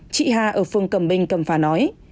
chị hà ở phường cầm bình cầm phà nói